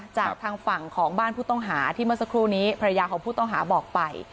จากทางฝั่งของบ้านผู้ต้องหาที่เมื่อสักครู่นี้ภรรยาของผู้ต้องหาบอกไป